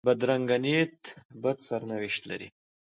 بدرنګه نیت بد سرنوشت لري